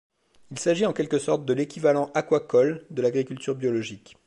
Il s'agit en quelque sorte de l'équivalent aquacole de l'agriculture biologique.